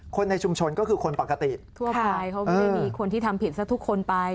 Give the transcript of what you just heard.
คนในชุมชนก็คือคนปกติทั่วไปเขาไม่ได้มีคนที่ทำผิดซะทุกคนไป